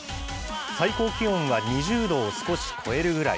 最高気温は２０度を少し超えるぐらい。